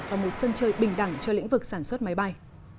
và một sân chơi bình đẳng cho lĩnh vực sản xuất máy bay